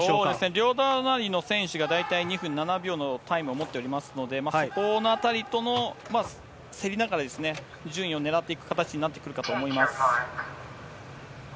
両隣の選手が大体２分７秒のタイムを持っていますので、そこのあたりとの競りながらですね、順位を狙っていく形になるかと思います。